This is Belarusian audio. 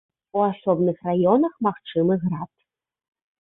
У асобных раёнах магчымы град.